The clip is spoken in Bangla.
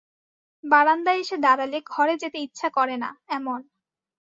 বারান্দায় এসে দাঁড়ালে ঘরে যেতে ইচ্ছা করে না- এমন।